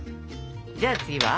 じゃあ次は？